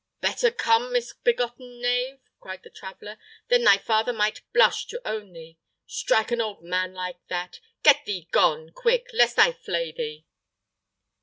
"Better come, misbegotten knave!" cried the traveller; "then thy father might blush to own thee. Strike an old man like that! Get thee gone, quick, lest I flay thee!"